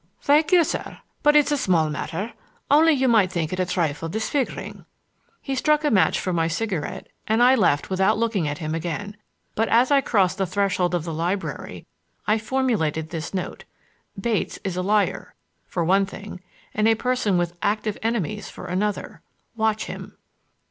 "Thank you, sir; but it's a small matter,—only, you might think it a trifle disfiguring." He struck a match for my cigarette, and I left without looking at him again. But as I crossed the threshold of the library I formulated this note: "Bates is a liar, for one thing, and a person with active enemies for another; watch him."